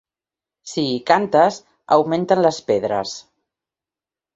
Si hi cantes augmenten les pedres.